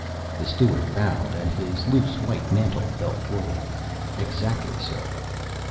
The steward bowed, and his loose white mantle fell forward. "Exactly, sir."